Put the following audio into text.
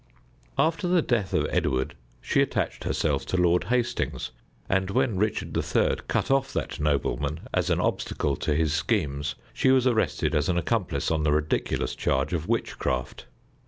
After the death of Edward she attached herself to Lord Hastings, and when Richard III. cut off that nobleman as an obstacle to his schemes, she was arrested as an accomplice on the ridiculous charge of witchcraft.